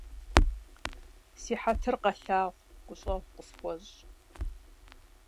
Си хьэтыр къэлъагъу, гущӏэгъу къысхуэщӏ.